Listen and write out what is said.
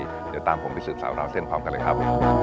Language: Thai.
เดี๋ยวตามผมไปสืบสาวราวเส้นพร้อมกันเลยครับ